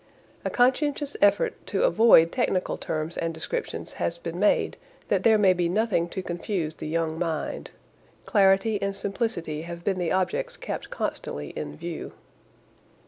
A conscientious effort to avoid technical terms and descriptions has been made that there may be nothing to confuse the young mind. Clarity and simplicity have been the objects kept constantly in view.